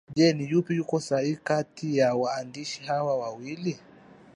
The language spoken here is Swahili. Je ni yupi yuko sahihi kati ya waandishi hawa wawili